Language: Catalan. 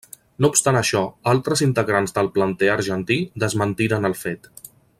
No obstant això, altres integrants del planter argentí desmentiren el fet.